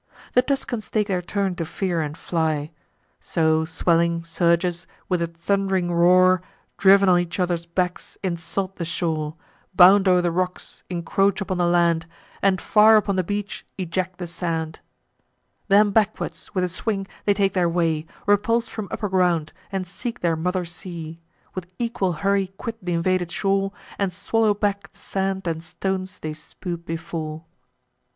The Tuscans take their turn to fear and fly. So swelling surges, with a thund'ring roar, Driv'n on each other's backs, insult the shore, Bound o'er the rocks, incroach upon the land, And far upon the beach eject the sand; Then backward, with a swing, they take their way, Repuls'd from upper ground, and seek their mother sea; With equal hurry quit th' invaded shore, And swallow back the sand and stones they spew'd before.